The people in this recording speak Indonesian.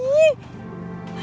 kulitnya project belum long